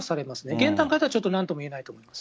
現段階ではちょっとなんとも言えないと思います。